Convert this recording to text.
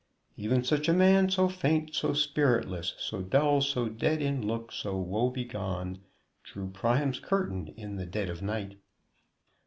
"'Even such a man, so faint, so spiritless, So dull, so dead in look, so woe begone, Drew Priam's curtain in the dead of night.'"